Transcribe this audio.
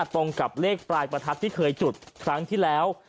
ตรงกับเลขปลายประทัดที่เคยจุดครั้งที่แล้ว